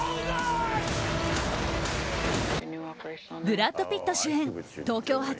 ブラッド・ピット主演東京発